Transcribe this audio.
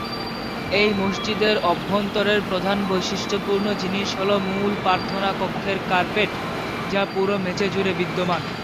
এই মসজিদের অভ্যন্তরের প্রধান বৈশিষ্ট্যপূর্ণ জিনিস হল মূল প্রার্থনা কক্ষের কার্পেট, যা পুরো মেঝে জুড়ে বিদ্যমান।